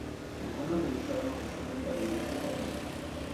Algunos regresaron oficialmente a la Iglesia católica.